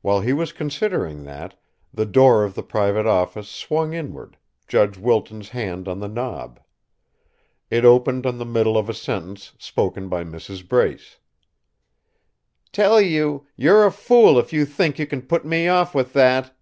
While he was considering that, the door of the private office swung inward, Judge Wilton's hand on the knob. It opened on the middle of a sentence spoken by Mrs. Brace: " tell you, you're a fool if you think you can put me off with that!"